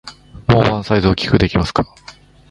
もうワンサイズ大きくできますか？